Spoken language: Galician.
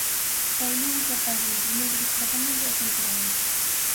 E o Lugo xa pensa no primeiro desprazamento da temporada.